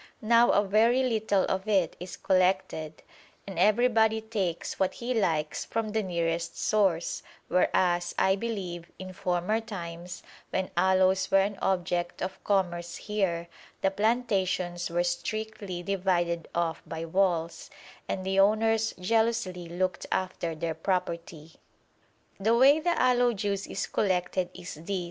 Now a very little of it is collected, and everybody takes what he likes from the nearest source, whereas, I believe, in former times, when aloes were an object of commerce here, the plantations were strictly divided off by walls, and the owners jealously looked after their property. The way the aloe juice is collected is this.